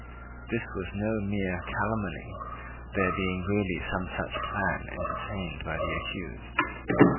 This was no mere calumny, there being really some such plan entertained by the accused.